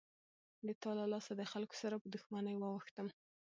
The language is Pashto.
د تا له لاسه دخلکو سره په دښمنۍ واوښتم.